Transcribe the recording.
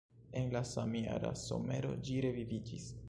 En la samjara somero ĝi reviviĝis.